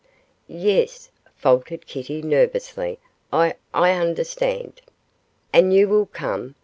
'Yes,' faltered Kitty, nervously; 'I I understand.' 'And you will come?